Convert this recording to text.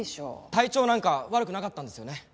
体調なんか悪くなかったんですよね？